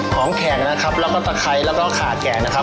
แขกนะครับแล้วก็ตะไคร้แล้วก็ขาแขกนะครับ